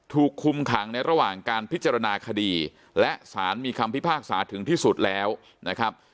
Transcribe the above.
ถูกคุมขังในระหว่างการพิจารณาคดีและสารมีคำพิพากษาถึงที่สุดแล้วนะครับ